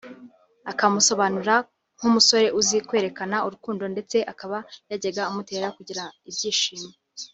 akamusobanura nk’umusore uzi kwerekana urukundo ndetse akaba yajyaga amutera kugira ibyishimo